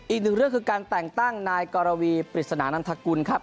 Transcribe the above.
อีกหนึ่งเรื่องคือการแต่งตั้งนายกรวีปริศนานันทกุลครับ